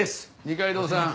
二階堂さん